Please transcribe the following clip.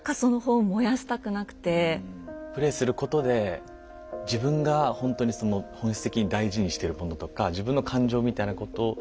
プレイすることで自分がほんとにその本質的に大事にしてるものとか自分の感情みたいなことに気付くというか。